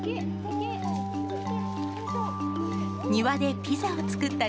庭でピザを作ったり。